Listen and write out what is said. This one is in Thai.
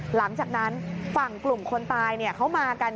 หลังจากนั้นฝั่งกลุ่มคนตายเขามากัน